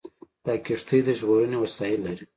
دا کښتۍ د ژغورنې وسایل لري.